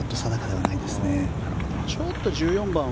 はい。